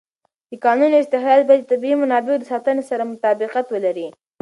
د کانونو استخراج باید د طبیعي منابعو د ساتنې سره مطابقت ولري.